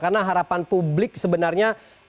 karena harapan publik sebenarnya